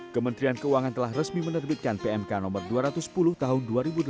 kementerian keuangan telah resmi menerbitkan pmk no dua ratus sepuluh tahun dua ribu delapan belas